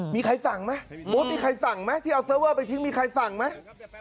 มีใครสั่งไหมบูธมีใครสั่งไหมที่เอาเซิร์เวอร์ไปทิ้งมีใครสั่งไหม